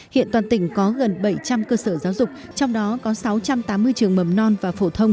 hiện toàn tỉnh có gần bảy trăm linh cơ sở giáo dục trong đó có sáu trăm tám mươi trường mầm non và phổ thông